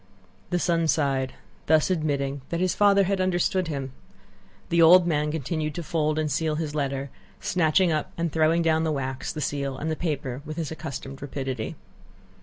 The son sighed, thus admitting that his father had understood him. The old man continued to fold and seal his letter, snatching up and throwing down the wax, the seal, and the paper, with his accustomed rapidity.